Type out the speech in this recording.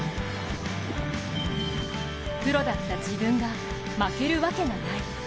プロだった自分が負けるわけがない。